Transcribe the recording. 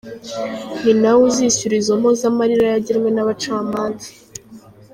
Ni nawe uzishyura izo mpozamarira yagenwe n’abacamanza.